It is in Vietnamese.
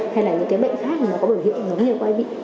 hay là những bệnh khác có biểu hiện giống như quay bị